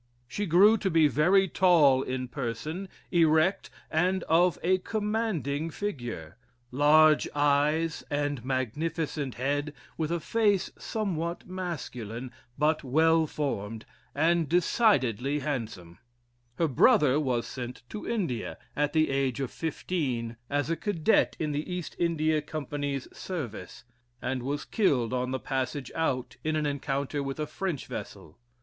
She grew to be very tall in person, erect, and of a commanding figure; large eyes, and magnificent head, with a face somewhat masculine, but well formed, and decidedly handsome. Her brother was sent to India, at the age of fifteen, as a cadet in the East India Company's service, and was killed on the passage out in an encounter with a French vessel.